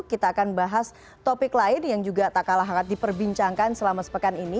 kita akan bahas topik lain yang juga tak kalah hangat diperbincangkan selama sepekan ini